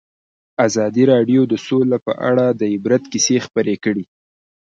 ازادي راډیو د سوله په اړه د عبرت کیسې خبر کړي.